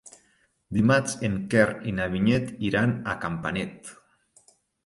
Dimarts en Quer i na Vinyet iran a Campanet.